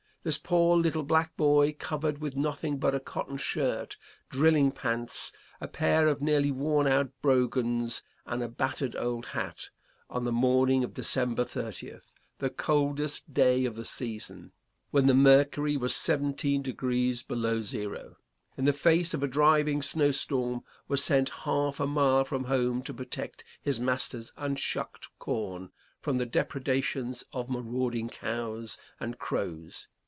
This poor little black boy, covered with nothing but a cotton shirt, drilling pants, a pair of nearly worn out brogans and a battered old hat, on the morning of December 30th, the coldest day of the season, when the mercury was seventeen degrees below zero, in the face of a driving snow storm, was sent half a mile from home to protect his master's unshucked corn from the depredations of marauding cows and crows.